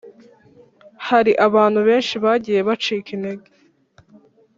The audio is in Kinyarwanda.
hari abantu benshi bagiye bacika intege